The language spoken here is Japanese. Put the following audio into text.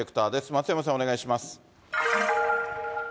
松山さん、お願いします。